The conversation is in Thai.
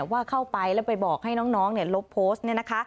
ว่าเข้าไปแล้วไปบอกให้น้องลบโพสต์